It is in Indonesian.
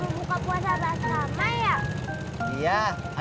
bisa buka puasa sama sama ya